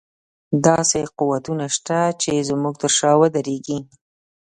داسې قوتونه شته چې زموږ تر شا ودرېږي.